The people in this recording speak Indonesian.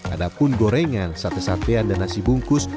adapun gorengan sate satean dan nasi bungkus